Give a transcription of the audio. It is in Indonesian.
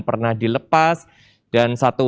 pernah dilepas dan satu